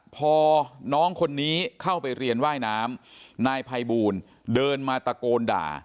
พอน้องคนนี้เข้าไปเรียนว่ายน้ำนายภัยบูลเดินมาตะโกนด่า